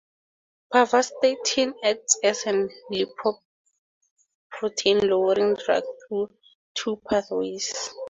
Pravastatin acts as a lipoprotein-lowering drug through two pathways.